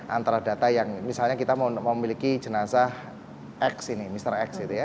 antara data yang misalnya kita memiliki jenazah x ini mr x gitu ya